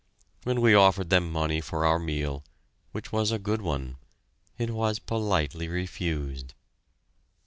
When we offered them money for our meal which was a good one it was politely refused.